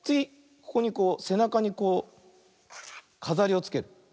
ここにこうせなかにこうかざりをつける。